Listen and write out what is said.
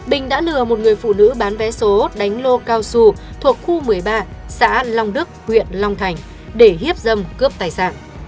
bình đã lừa một người phụ nữ bán vé số đánh lô cao su thuộc khu một mươi ba xã long đức huyện long thành để hiếp dâm cướp tài sản